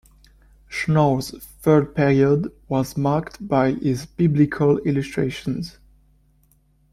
Schnorr's third period was marked by his Biblical illustrations.